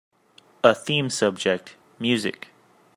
A theme subject